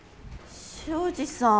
昇司さん。